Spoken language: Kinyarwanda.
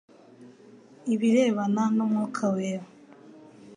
i birebana n'umwuka wera